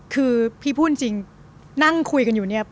คือพี่พูดจริงนั่งคุยกันอยู่เนี่ย